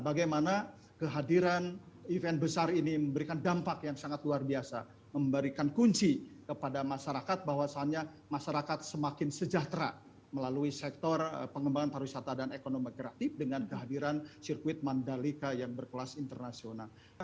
bagaimana kehadiran event besar ini memberikan dampak yang sangat luar biasa memberikan kunci kepada masyarakat bahwasannya masyarakat semakin sejahtera melalui sektor pengembangan pariwisata dan ekonomi kreatif dengan kehadiran sirkuit mandalika yang berkelas internasional